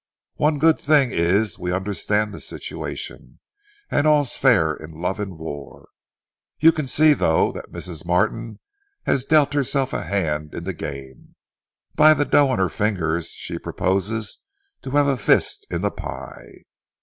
One good thing is, we understand the situation, and all's fair in love and war. You can see, though, that Mrs. Martin has dealt herself a hand in the game. By the dough on her fingers she proposes to have a fist in the pie.